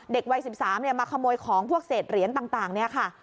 เด็กวัย๑๓มาขโมยของพวกเศษเหรียญต่างเนี่ยค่ะ